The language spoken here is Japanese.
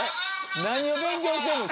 何を勉強してるの？